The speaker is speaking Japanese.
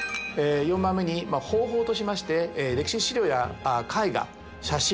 ４番目に方法としまして歴史資料や絵画写真